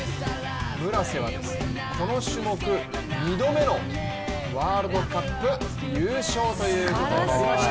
村瀬は、この種目、２度目のワールドカップ優勝ということになりました。